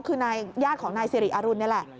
คือนายญาติของนายสิริอรุณนี่แหละ